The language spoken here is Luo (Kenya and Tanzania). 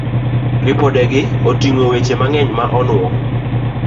Ripodegi oting'o weche mang'eny ma onuwo